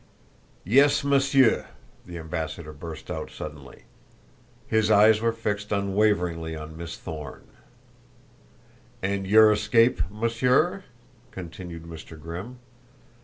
"Yes, Monsieur," the ambassador burst out suddenly. His eyes were fixed unwaveringly on Miss Thorne. "And your escape, Monsieur?" continued Mr. Grimm.